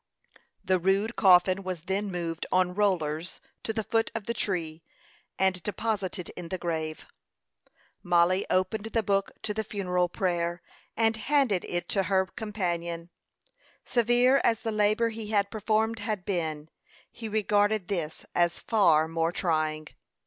The rude coffin was then moved on rollers to the foot of the tree, and deposited in the grave. Mollie opened the book to the funeral prayer, and handed it to her companion. Severe as the labor he had performed had been, he regarded this as far more trying.